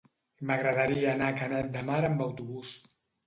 M'agradaria anar a Canet de Mar amb autobús.